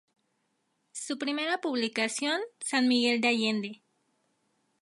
Su primera publicación "San Miguel de allende.